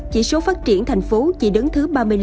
chỉ số phát triển tp chỉ đứng thứ ba mươi năm